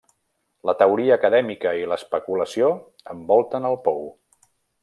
La teoria acadèmica i l'especulació envolten el pou.